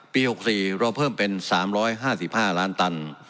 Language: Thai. ๖๔เราเพิ่มเป็น๓๕๕ล้านตัน